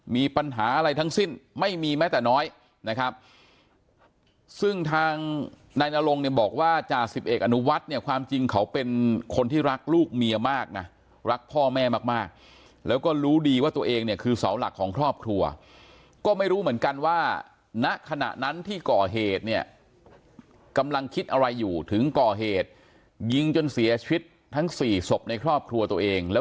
มีปัญหาอะไรทั้งสิ้นไม่มีแม้แต่น้อยนะครับซึ่งทางนายนรงเนี่ยบอกว่าจ่าสิบเอกอนุวัฒน์เนี่ยความจริงเขาเป็นคนที่รักลูกเมียมากนะรักพ่อแม่มากแล้วก็รู้ดีว่าตัวเองเนี่ยคือเสาหลักของครอบครัวก็ไม่รู้เหมือนกันว่าณขณะนั้นที่ก่อเหตุเนี่ยกำลังคิดอะไรอยู่ถึงก่อเหตุยิงจนเสียชีวิตทั้งสี่ศพในครอบครัวตัวเองแล้ว